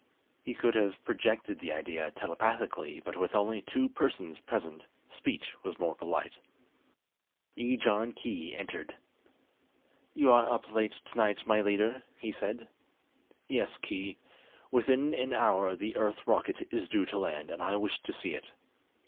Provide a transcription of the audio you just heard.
He could have projected the idea telepathically; but with only two persons present, speech was more polite. Ejon Khee entered. "You are up late tonight, my leader," he said. "Yes, Khee. Within an hour the Earth rocket is due to land, and I wish to see it.